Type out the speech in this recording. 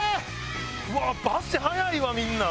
うわっ足速いわみんな。